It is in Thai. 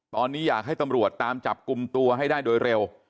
ตอนนี้อยากให้ตำรวจตามจับกลุ่มตัวให้ได้โดยเร็ว